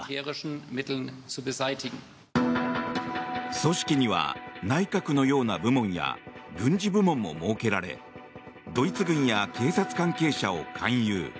組織には内閣のような部門や軍事部門も設けられドイツ軍や警察関係者を勧誘。